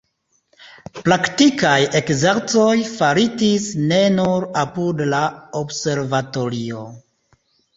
Praktikaj ekzercoj faritis ne nur apud la observatorio.